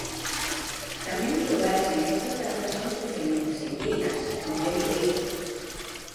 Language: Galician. Tamén nos lugares en que estas datas son especialmente senlleiras, como é Viveiro.